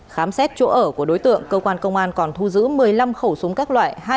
khám xét chỗ ở của đối tượng cơ quan công an còn thu giữ một mươi năm khẩu súng các loại